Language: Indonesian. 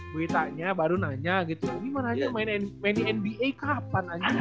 gue ditanya baru nanya gitu gimana aja main nba kapan aja